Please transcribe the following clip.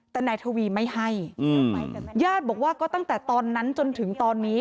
แต่นายทวีไม่ให้ญาติบอกว่าก็ตั้งแต่ตอนนั้นจนถึงตอนนี้